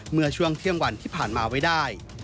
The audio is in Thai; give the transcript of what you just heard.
เมื่อช่วงเที่ยงวันที่ผ่านมาไว้ได้